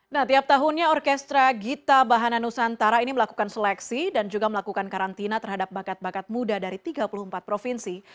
nah tiap tahunnya orkestra gita bahana nusantara ini melakukan seleksi dan juga melakukan karantina terhadap bakat bakat muda dari tiga puluh empat provinsi